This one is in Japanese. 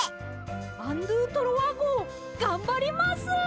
アン・ドゥ・トロワごうがんばります！